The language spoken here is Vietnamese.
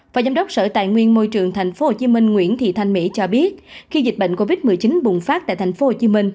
và giám đốc sở tài nguyên môi trường tp hcm nguyễn thị thanh mỹ cho biết khi dịch bệnh covid một mươi chín bùng phát tại tp hcm